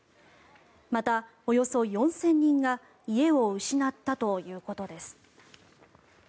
また、およそ４０００人が家を失ったということです。